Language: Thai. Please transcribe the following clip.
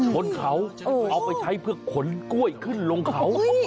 คนเขาเอาไปใช้เพื่อขนกล้วยขึ้นลงเขา